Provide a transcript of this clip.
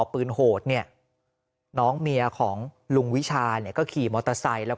ปืนโหดเนี่ยน้องเมียของลุงวิชาเนี่ยก็ขี่มอเตอร์ไซค์แล้ว